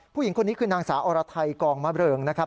ผู้หญิงคนนี้คือนางสาวอรไทยกองมะเริงนะครับ